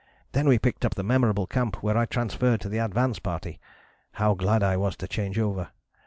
Then we picked up the memorable camp where I transferred to the advance party. How glad I was to change over.